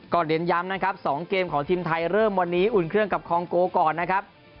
เน้นย้ำนะครับ๒เกมของทีมไทยเริ่มวันนี้อุ่นเครื่องกับคองโกก่อนนะครับ